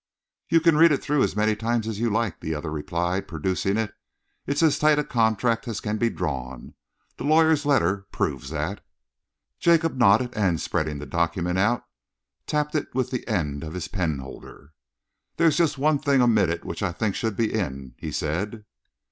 "You can read it through as many times as you like," the other replied, producing it. "It's as tight a contract as can be drawn. The lawyer's letter proves that." Jacob nodded, and, spreading the document out, tapped it with the end of his penholder. "There is just one thing omitted which I think should be in," he said.